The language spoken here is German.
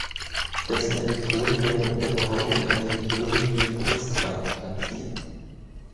Dessen Elektroden werden unter der Haut in eine Region neben dem Brustbein platziert.